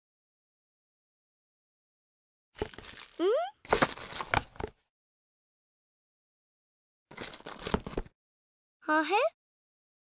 うん？はへ？